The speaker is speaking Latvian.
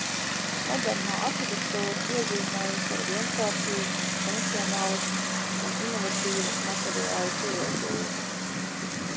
Modernā arhitektūra iezīmējas ar vienkāršību, funkcionālismu un inovatīvu materiālu pielietojumu.